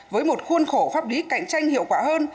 với một khuôn khổ pháp lý cạnh tranh hiệu quả hơn